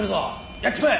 やっちまえ！